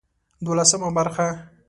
دولسمه برخه